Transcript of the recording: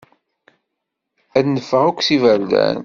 Ad d-neffeɣ akk s iberdan.